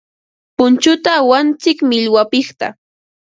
Punchuta awantsik millwapiqta.